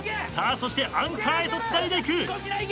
そしてアンカーへとつないでいく。